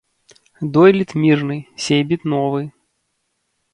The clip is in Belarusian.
Дойлід мірны, сейбіт новы